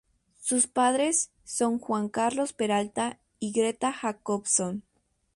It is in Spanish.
Sus padres son Juan Carlos Peralta y Greta Jacobson.